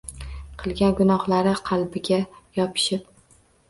Qilgan gunohlari qalbiga yopishib